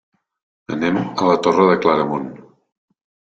Anem a la Torre de Claramunt.